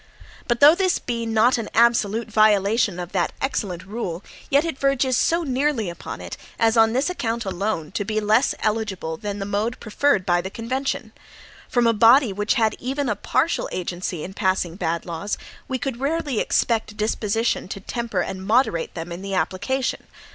But though this be not an absolute violation of that excellent rule, yet it verges so nearly upon it, as on this account alone to be less eligible than the mode preferred by the convention. From a body which had even a partial agency in passing bad laws, we could rarely expect a disposition to temper and moderate them in the application.